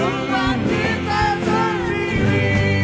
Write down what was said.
rumah kita sendiri